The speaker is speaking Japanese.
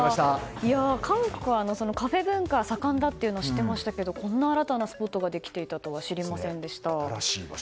韓国はカフェ文化が盛んだというのは知っていましたけどこんな新しいスポットができていたとは知りませんでした。